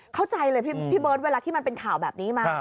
เข้าใจเลยพี่เบิร์ตเวลาที่มันเป็นข่าวแบบนี้มา